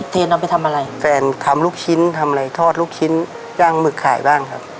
เทนเอาไปทำอะไรแฟนทำลูกชิ้นทำอะไรทอดลูกชิ้นย่างหมึกขายบ้างครับ